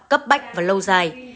cấp bách và lâu dài